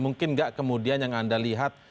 mungkin nggak kemudian yang anda lihat